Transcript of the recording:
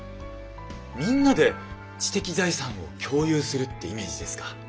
みんなで知的財産を共有するってイメージですか。